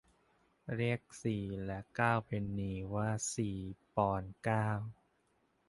เรียกสี่และเก้าเพนนีว่าสี่ปอนด์เก้า